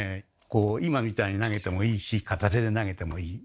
こう今みたいに投げてもいいし片手で投げてもいい。